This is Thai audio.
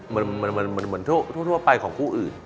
มันเหมือนทั่วไปของคู่อื่น